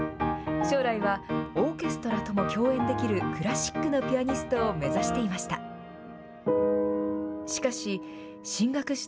将来はオーケストラとも共演できる、クラシックのピアニストを目指していました。